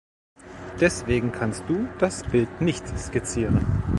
Deswegen kannst du das Bild nicht skizzieren.